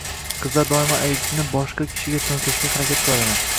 Qizlar doimo aybni boshqa kishiga to‘nkashga harakat qiladilar.